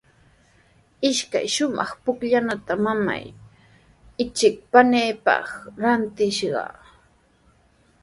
Ishkay shumaq pukllanata mamaa ichik paniipaq rantishqa.